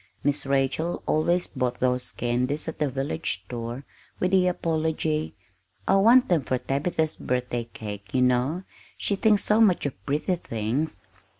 Miss Rachel always bought those candies at the village store, with the apology: "I want them for Tabitha's birthday cake, you know. She thinks so much of pretty things."